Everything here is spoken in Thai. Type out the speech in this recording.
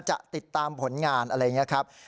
จะติดตามผลงานอะไรอย่างนี้ครับ